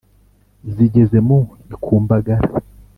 Zigeze mu ikumbagara !